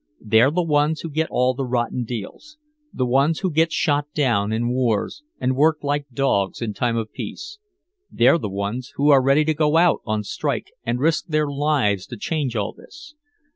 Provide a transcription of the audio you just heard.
They're the ones who get all the rotten deals, the ones who get shot down in wars and worked like dogs in time of peace. They're the ones who are ready to go out on strike and risk their lives to change all this.